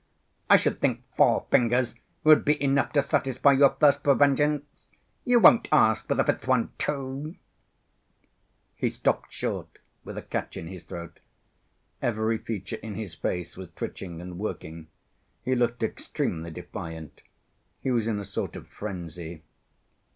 I should think four fingers would be enough to satisfy your thirst for vengeance. You won't ask for the fifth one too?" He stopped short with a catch in his throat. Every feature in his face was twitching and working; he looked extremely defiant. He was in a sort of frenzy.